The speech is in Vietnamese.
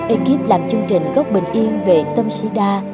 ekip làm chương trình góc bình yên về tâm sida